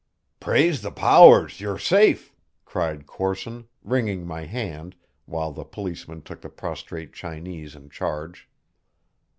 "Praise the powers, you're safe!" cried Corson, wringing my hand, while the policemen took the prostrate Chinese in charge.